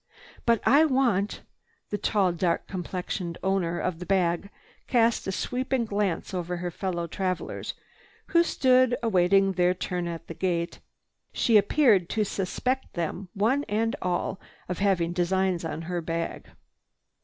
"But I want—" The tall, dark complexioned owner of the bag cast a sweeping glance over her fellow travelers who stood awaiting their turn at the gate. She appeared to suspect them, one and all, of having designs on her bag.